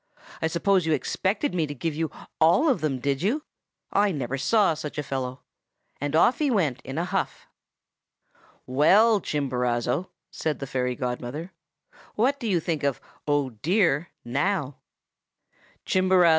I suppose you expected me to give you all of them, did you? I never saw such a fellow!' and off he went in a huff. "'Well, Chimborazo,' said the fairy godmother, 'what do you think of "Oh, dear!" now?' "Touching his lips with her wand."